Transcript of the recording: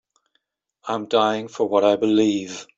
I'm dying for what I believe.